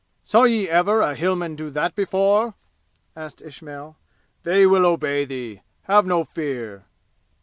"Saw ye ever a Hillman do that before?" asked Ismail. "They will obey thee! Have no fear!"